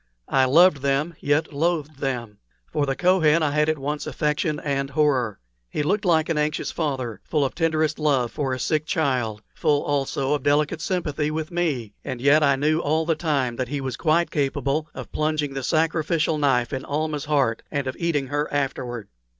I loved them, yet loathed them; for the Kohen I had at once affection and horror. He looked like an anxious father, full of tenderest love for a sick child full also of delicate sympathy with me; and yet I knew all the time that he was quite capable of plunging the sacrificial knife in Almah's heart and of eating her afterward.